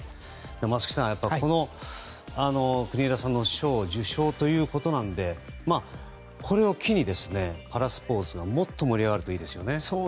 松木さん、国枝さんが賞を受賞ということなのでこれを機にパラスポーツがもっと盛り上がるといいですね。